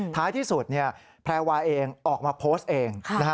ท้ายที่สุดแพรวาเองออกมาโพสต์เอง